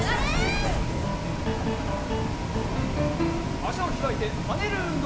あしをひらいてはねるうんどう！